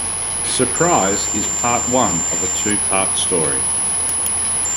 "Surprise" is part one of a two part story.